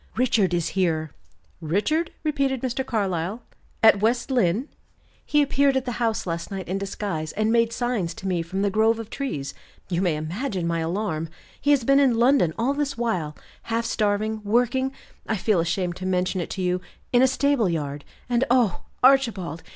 "Richard is here!" "Richard!" repeated Mr. Carlyle. "At West Lynne!" "He appeared at the house last night in disguise, and made signs to me from the grove of trees. You may imagine my alarm. He has been in London all this while, half starving, working I feel ashamed to mention it to you in a stable yard. And, oh, Archibald!